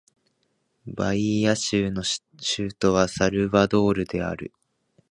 バイーア州の州都はサルヴァドールである